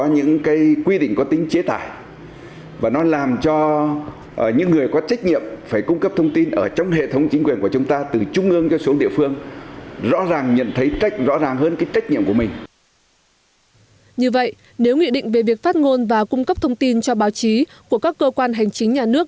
như vậy nếu nghị định về việc phát ngôn và cung cấp thông tin cho báo chí của các cơ quan hành chính nhà nước